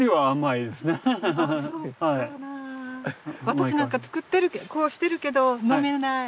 私なんか作ってるこうしてるけど飲めない。